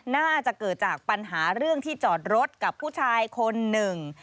น่าจะเกิดจากปัญหาเรื่องที่จอดรถกับผู้ชายคนหนึ่ง